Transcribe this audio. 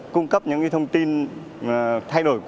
cung cấp những thông tin thay đổi